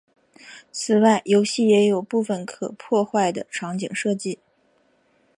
此外游戏也有部分可破坏的场景设计。